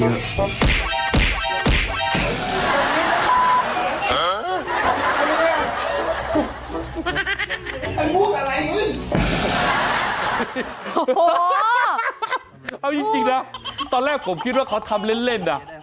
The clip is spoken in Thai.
เอาจริงนะตอนแรกผมคิดว่าเขาทำเล่นนะ